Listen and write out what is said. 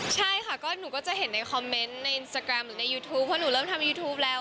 ใช่ค่ะก็หนูก็จะเห็นในคอมเมนต์ในอินสตาแกรมหรือในยูทูปเพราะหนูเริ่มทำยูทูปแล้ว